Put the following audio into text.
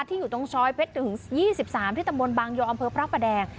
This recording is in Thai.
ที่อยู่ตรงช่อยเพศ๑๒๓ทิศตมบนบังยออำเภอพระปะแดง